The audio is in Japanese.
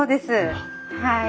はい。